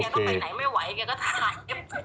เขาก็ไปไหนไม่ไหวเขาก็ถ่าย